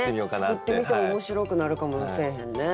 作ってみても面白くなるかもせえへんね。